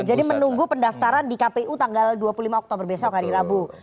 jadi menunggu pendaftaran di kpu tanggal dua puluh lima oktober besok hari rabu